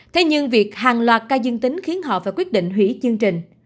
thế nhưng việc hàng loạt ca dương tính khiến họ phải quyết định hủy chương trình